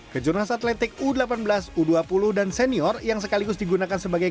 kejurnas atletik u delapan belas u dua puluh dan senior yang sekaligus digunakan sebagai